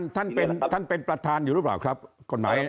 ท่านเป็นประธานอยู่หรือเปล่าครับกฎหมาย